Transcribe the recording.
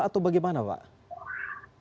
atau bagaimana pak